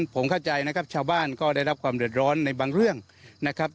ผมเข้าใจนะครับชาวบ้านก็ได้รับความเดือดร้อนในบางเรื่องนะครับ